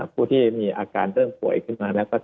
ผู้ที่มีอาการเริ่มผ่วยขึ้นมานะครับ